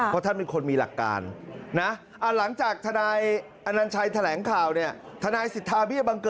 พี่เปี๊ยกขออนุญาตเรียกแบบสนิทนิดหนึ่ง